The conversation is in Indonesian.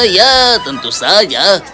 ya tentu saja